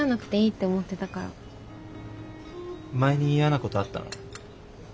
前に嫌なことあったの？